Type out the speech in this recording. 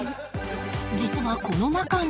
実はこの中に